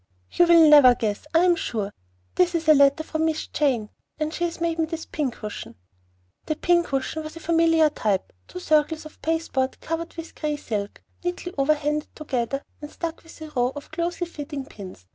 "You will never guess, I am sure. This is a letter from Miss Jane! And she has made me this pincushion!" The pincushion was of a familiar type, two circles of pasteboard covered with gray silk, neatly over handed together, and stuck with a row of closely fitting pins.